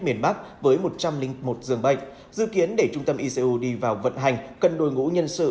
miền bắc với một trăm linh một giường bệnh dự kiến để trung tâm icu đi vào vận hành cần đội ngũ nhân sự